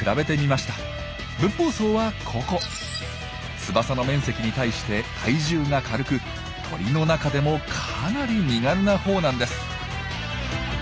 翼の面積に対して体重が軽く鳥の中でもかなり身軽なほうなんです。